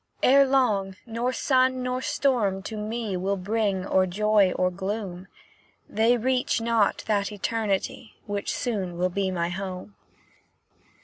Ere long, nor sun nor storm to me Will bring or joy or gloom; They reach not that Eternity Which soon will be my home."